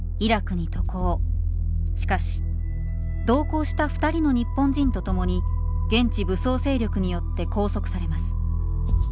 しかし同行した２人の日本人と共に現地武装勢力によって拘束されます。